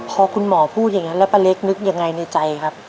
พอคุณหมอพูดอย่างนั้นแล้วป้าเล็กนึกยังไงในใจครับ